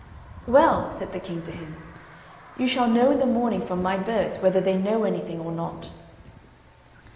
"Well," said the King to him, "you shall know in the morning from my birds, whether they know anything or not."